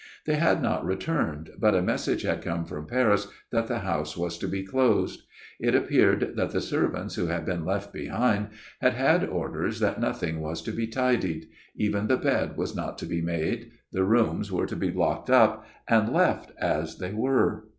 They had not returned, but a message had come from Paris that the house was to be closed. It appeared that the servants who had been left behind had had orders that nothing was to be tidied ; even the bed was not to be made ; the rooms were to be locked up and left as they were.